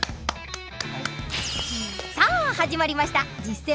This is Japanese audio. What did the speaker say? さあ始まりました「実践！